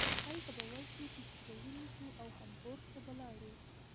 هلته به ور شو ټکسي به ونیسو او هامبورګ ته به لاړو.